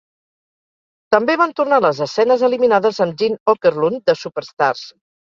També van tornar les escenes eliminades amb Gene Okerlund de "Superstars".